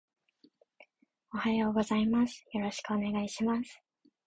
おはようございます。よろしくお願いします